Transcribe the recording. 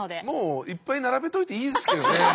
もういっぱい並べておいていいですけどね。